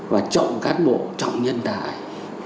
và trọng cán bộ trọng nhân tài